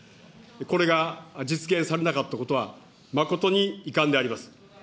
これが実現されなかったことは、誠に遺憾であります。